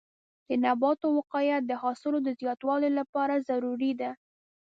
د نباتو وقایه د حاصل د زیاتوالي لپاره ضروري ده.